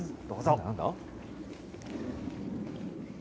どうぞ。